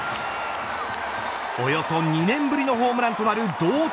およそ２年ぶりのホームランとなる同点